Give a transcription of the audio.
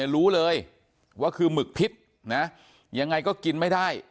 รู้เลยว่าคือหมึกพิษนะยังไงก็กินไม่ได้